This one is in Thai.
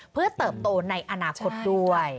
เพื่อเติบโตในอนาคตด้วย